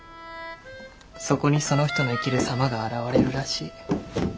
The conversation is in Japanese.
そこにその人の生きる様が現れるらしい。